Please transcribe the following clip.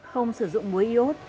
không sử dụng mối iốt